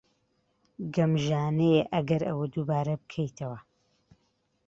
گەمژانەیە ئەگەر ئەوە دووبارە بکەیتەوە.